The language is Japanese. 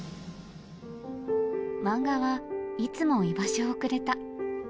漫画はいつも居場所をくれた。